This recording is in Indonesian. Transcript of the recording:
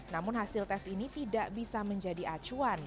namun hasil tes ini tidak bisa menjadi acuan